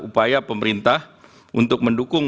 upaya pemerintah untuk mendukung